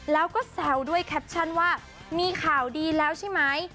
แล้วก็แซวด้วยแคปชั่นว่ามีข่าวดีแล้วใช่ไหม